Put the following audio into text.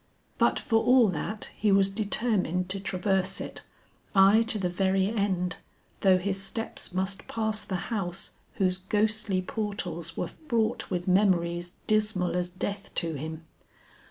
But for all that he was determined to traverse it, ay to the very end, though his steps must pass the house whose ghostly portals were fraught with memories dismal as death to him.